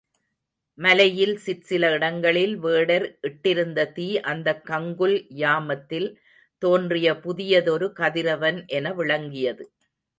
மலையில் சிற்சில இடங்களில் வேடர் இட்டிருந்த தீ அந்தக் கங்குல் யாமத்தில் தோன்றிய புதியதொரு கதிரவன் என விளங்கியது.